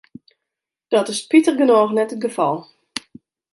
Dat is spitich genôch net it gefal.